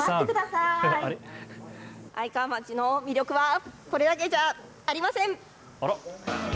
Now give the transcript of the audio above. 愛川町の魅力はこれだけじゃありません。